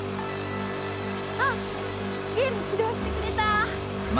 あっゲーム起動してくれた！